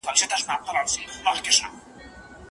که زده کوونکي خپلي تېروتني په خپله سمي کړي.